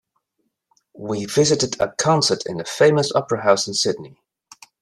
We visited a concert in the famous opera house in Sydney.